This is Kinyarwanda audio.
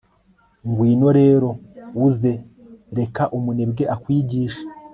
ngwino rero, uze reka umunebwe akwigishe